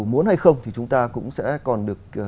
muốn hay không thì chúng ta cũng sẽ còn được